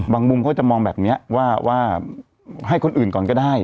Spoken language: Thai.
มุมเขาจะมองแบบนี้ว่าให้คนอื่นก่อนก็ได้